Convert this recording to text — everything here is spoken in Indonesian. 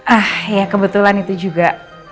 ah ya kebetulan itu juga